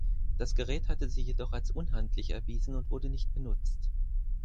Das Gerät hatte sich jedoch als unhandlich erwiesen und wurde nicht benutzt.